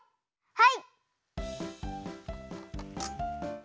はい。